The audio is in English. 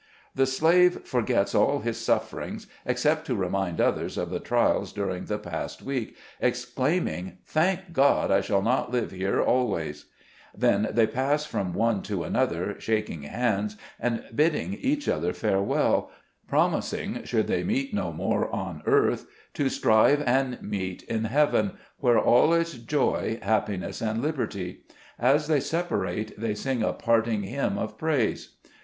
The slave forgets all his sufferings, except to remind others of the trials during the past week, exclaiming: "Thank God, I shall not live here always !" Then they pass from one to another, shaking hands, and bidding each other farewell, promising, should they meet no more on earth, to strive and meet in heaven, where all is joy, happi ness and liberty. As they separate, they sing a parting hymn of praise.